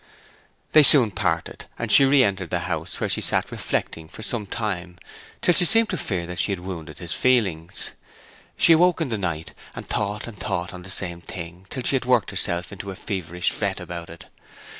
They soon parted, and she re entered the house, where she sat reflecting for some time, till she seemed to fear that she had wounded his feelings. She awoke in the night, and thought and thought on the same thing, till she had worked herself into a feverish fret about it.